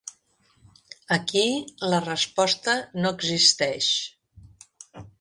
Aquí la resposta no existeix.